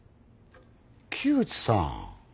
木内さん